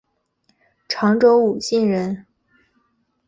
常州武进人。